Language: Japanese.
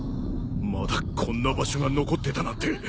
まだこんな場所が残ってたなんて。